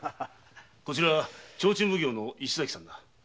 提灯奉行の石崎さんだ。